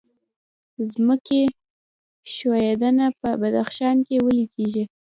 ځمکې ښویدنه په بدخشان کې ولې کیږي؟